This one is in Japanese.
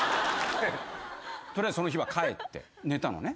取りあえずその日は帰って寝たのね。